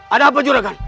ada apa juragan